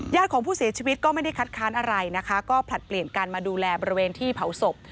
ของผู้เสียชีวิตก็ไม่ได้คัดค้านอะไรนะคะก็ผลัดเปลี่ยนการมาดูแลบริเวณที่เผาศพ